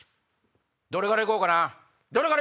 どれから行こうかな？